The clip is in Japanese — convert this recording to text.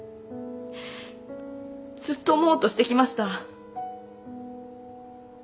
ずっと思おうとしてきました。